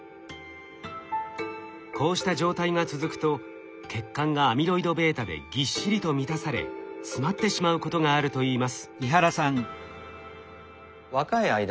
こうした状態が続くと血管がアミロイドβでぎっしりと満たされ詰まってしまうことがあるといいます。